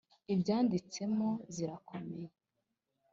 ibyanditsemo zirakomeye.